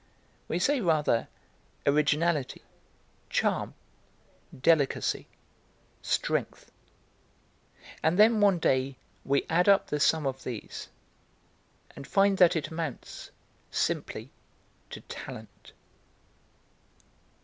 We say rather originality, charm, delicacy, strength; and then one day we add up the sum of these, and find that it amounts simply to talent.